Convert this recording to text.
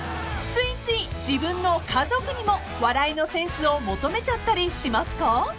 ［ついつい自分の家族にも笑いのセンスを求めちゃったりしますか？］